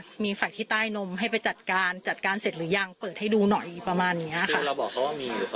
คือเราบอกเค้าว่ามีหรือเค้ารู้อยู่แล้ว